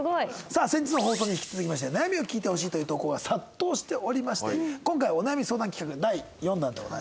さあ先日の放送に引き続きまして悩みを聞いてほしいという投稿が殺到しておりまして今回お悩み相談企画第４弾でございます。